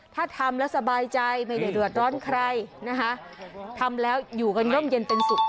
ถ้าทำแล้วสบายใจไม่ได้เดือดร้อนใครนะคะทำแล้วอยู่กันร่มเย็นเป็นสุข